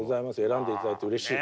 選んで頂いてうれしい。